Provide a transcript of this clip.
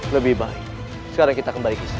lebih baik sekarang kita kembali ke sini